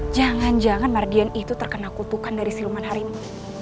jangan jangan mardian itu terkena kutukan dari siluman harimau